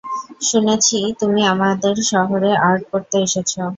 শুনেছি তুমি আমাদের শহরে, আর্ট পড়তে এসেছ।